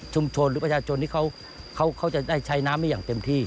หรือประชาชนที่เขาจะได้ใช้น้ำได้อย่างเต็มที่